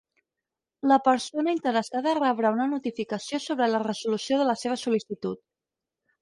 La persona interessada rebrà una notificació sobre la resolució de la seva sol·licitud.